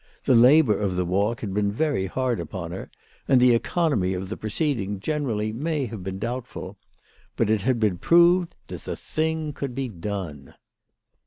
The labour of the walk had been very hard upon her, and the economy of the proceeding generally may have been doubtful ; but it had been proved that the thing could be done.